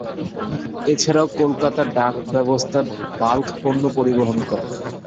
এছাড়াও কলকাতা ডক ব্যবস্থা বাল্ক পণ্য পরিবহন করে।